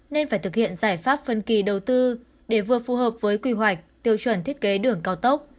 nên phải thực hiện giải pháp phân kỳ đầu tư để vừa phù hợp với quy hoạch tiêu chuẩn thiết kế đường cao tốc